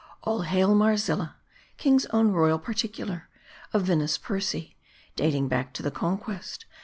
All Hail, Marzilla ! King's Own Royal Particular 1 A vinous Percy ! 'Dating back to the Conquest